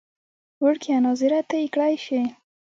وړکیه ناظره ته یې کړی شې.